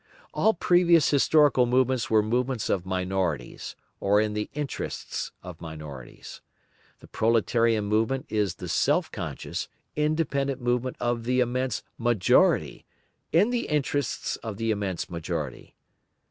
All previous historical movements were movements of minorities, or in the interests of minorities. The proletarian movement is the self conscious, independent movement of the immense majority, in the interests of the immense majority.